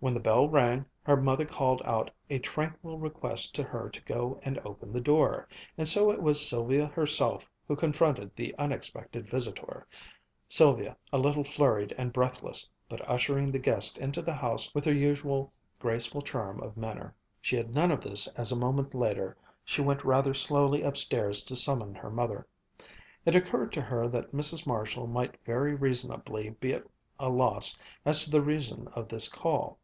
When the bell rang, her mother called out a tranquil request to her to go and open the door, and so it was Sylvia herself who confronted the unexpected visitor, Sylvia a little flurried and breathless, but ushering the guest into the house with her usual graceful charm of manner. She had none of this as a moment later she went rather slowly upstairs to summon her mother. It occurred to her that Mrs. Marshall might very reasonably be at a loss as to the reason of this call.